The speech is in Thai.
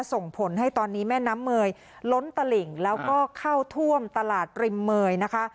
ส่งผลให้ตอนนี้แม่น้ำเมยล้นตลิ่งแล้วก็เข้าท่วมตลาดริมเมยนะคะ